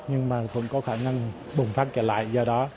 nhưng mà vẫn có khả năng bùng phát trở lại do đó